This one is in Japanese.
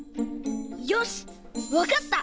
よしわかった！